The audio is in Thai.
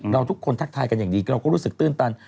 ทุกคนทักทายกันอย่างดีเราก็รู้สึกตื้นตัน